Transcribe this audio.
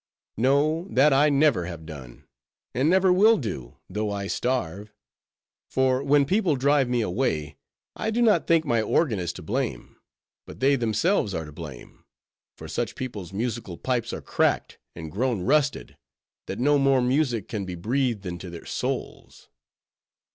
"No, that I never have done, and never will do, though I starve; for when people drive me away, I do not think my organ is to blame, but they themselves are to blame; for such people's musical pipes are cracked, and grown rusted, that no more music can be breathed into their souls."